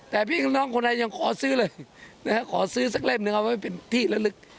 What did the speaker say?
แต่พี่น้องคนไทยยังขอซื้อเลยนะฮะขอซื้อสักเล่มหนึ่งเอาไว้เป็นที่ละลึก